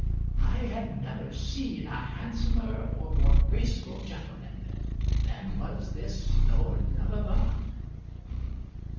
I have never seen a handsomer or more graceful gentleman than was this Lord of Avannes."